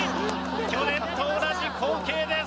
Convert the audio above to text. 去年と同じ光景です。